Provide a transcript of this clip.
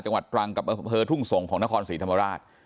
จังหวัดตรังกับอำเภอทุ่งสงศ์ของนครศรีธรรมราช